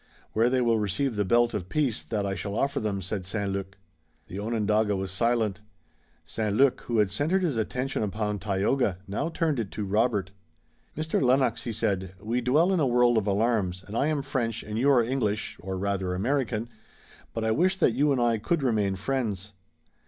"Where they will receive the belt of peace that I shall offer them," said St. Luc. The Onondaga was silent. St. Luc, who had centered his attention upon Tayoga, now turned it to Robert. "Mr. Lennox," he said, "we dwell in a world of alarms, and I am French and you are English, or rather American, but I wish that you and I could remain friends."